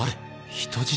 人質？